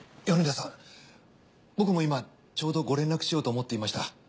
米田さん僕も今ちょうどご連絡しようと思っていました。